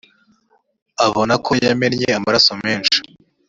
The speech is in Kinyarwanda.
abona ko yamennye amaraso menshi.